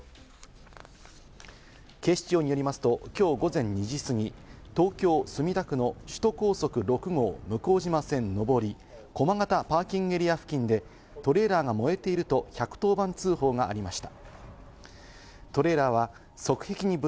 警視庁によりますと、きょう午前２時過ぎ、東京・墨田区の首都高速６号向島線上り・駒形パーキングエリア付近で、トレーラーが燃えていると１１０番通報がありました。